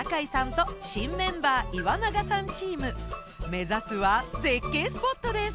目指すは絶景スポットです。